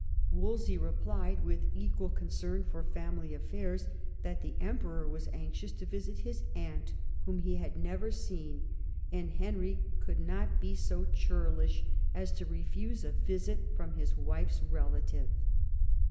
Wolsey replied with equal concern for family affairs, that the Emperor was anxious to visit his aunt, whom he had never seen, and Henry could not be so churlish as to refuse a visit from his wife's relative.